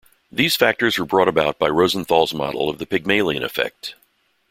These factors were brought about by Rosenthal's model of the Pygmalion effect.